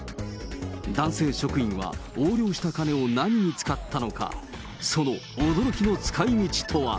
男性職員は、横領した金を何に使ったのか、その驚きの使いみちとは。